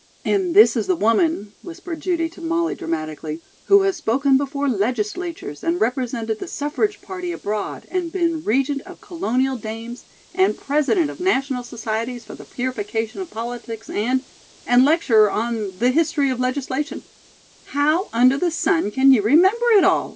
"And this is the woman," whispered Judy to Molly dramatically, "who has spoken before legislatures and represented the suffrage party abroad and been regent of Colonial Dames and President of National Societies for the Purification of Politics and and lecturer on 'The History of Legislation '" "How under the sun can you remember it all?"